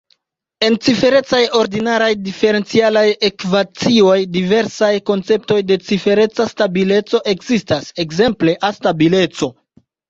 En ciferecaj ordinaraj diferencialaj ekvacioj, diversaj konceptoj de cifereca stabileco ekzistas, ekzemple A-stabileco.